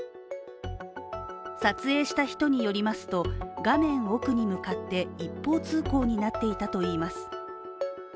撮影した人によりますと、画面奥に向かって一方通行になっていたといいます。